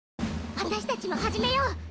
私たちも始めよう。